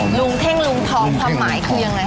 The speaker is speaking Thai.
ลุงเท่งลุงทองความหมายคือยังไง